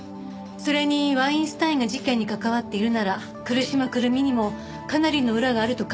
それにワインスタインが事件に関わっているなら来島くるみにもかなりの裏があると考えるべきでしょう。